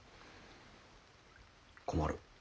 困る。